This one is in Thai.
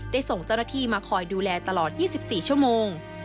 ส่งเจ้าหน้าที่มาคอยดูแลตลอด๒๔ชั่วโมง